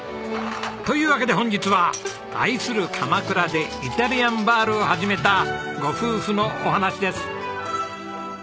というわけで本日は愛する鎌倉でイタリアンバールを始めたご夫婦のお話です。